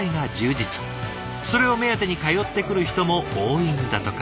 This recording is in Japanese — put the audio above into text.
それを目当てに通ってくる人も多いんだとか。